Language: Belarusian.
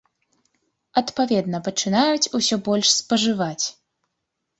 Адпаведна пачынаюць усё больш спажываць.